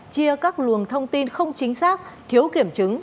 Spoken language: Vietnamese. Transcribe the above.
chia các luồng thông tin không chính xác thiếu kiểm chứng